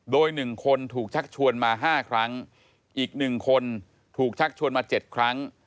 โดย๑คนถูกชักชวนมา๕ครั้งอีก๑คนถูกชักชวนมา๗ครั้ง